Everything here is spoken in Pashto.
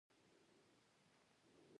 چې په بېړه ولاړ شو، لمر کوښښ کاوه.